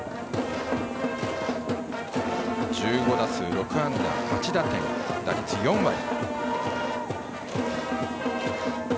１５打数６安打８打点打率４割。